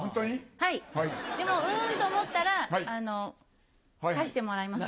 はいでも「うん」と思ったら返してもらいます。